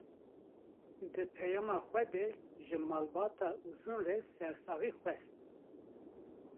Di peyama xwe de ji malbata Uzun re sersaxî xwest